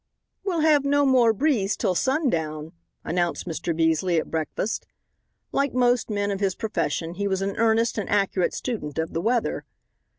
"We'll have no more breeze till sundown," announced Mr. Beasley at breakfast. Like most men of his profession, he was an earnest and accurate student of the weather.